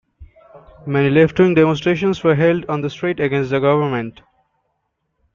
Many left-wing demonstrations were held on the street against the government.